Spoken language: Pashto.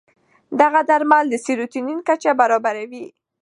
دغه درمل د سیروتونین کچه برابروي.